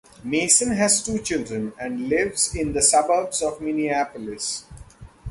Mason has two children and lives in the suburbs of Minneapolis.